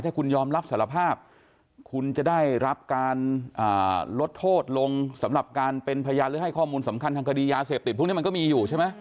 ถ้าคุณยอมรับสารภาพคุณจะได้รับการลดโทษลงสำหรับการเป็นพยานหรือให้ข้อมูลสำคัญทางคดียาเสพติดพวกนี้มันก็มีอยู่ใช่ไหม